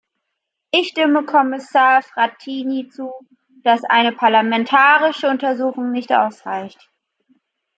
Ich stimme Kommissar Frattini zu, dass eine parlamentarische Untersuchung nicht ausreicht.